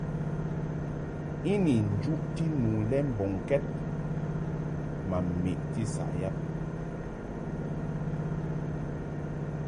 I ni njuʼti nu le mbɔŋkɛd ma meʼti saʼ yab.